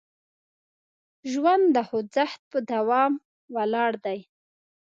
ژوند د خوځښت په دوام ولاړ دی.